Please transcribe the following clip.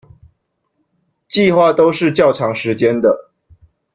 計畫都是較長時間的